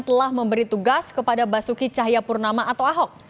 telah memberi tugas kepada basuki cahayapurnama atau ahok